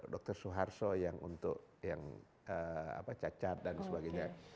dokter suharto yang untuk yang apa cacat dan sebagainya